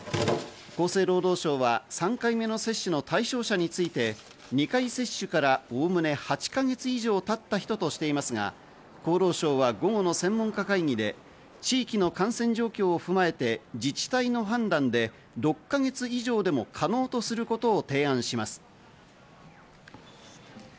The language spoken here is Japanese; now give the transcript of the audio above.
厚生労働省は３回目の接種の対象者について２回接種から概ね８か月以上経った人としていますが、厚労省は午後の専門家会議で地域の感染状況を踏まえて、自治体の判断で６か月以上でも可能とすることを提案します。